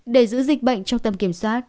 để giữ dịch bệnh trong tầm kiểm soát